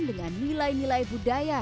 dengan nilai nilai budaya